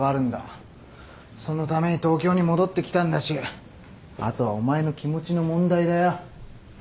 そのために東京に戻ってきたんだしあとはお前の気持ちの問題だよ。